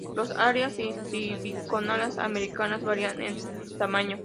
Las Áreas Vitivinícolas Americanas varían en tamaño.